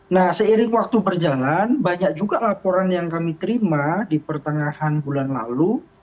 nah seiring waktu berjalan banyak juga laporan yang kami terima di pertengahan bulan lalu